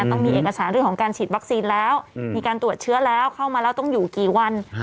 ต้องมีเอกสารเรื่องของการฉีดวัคซีนแล้วมีการตรวจเชื้อแล้วเข้ามาแล้วต้องอยู่กี่วัน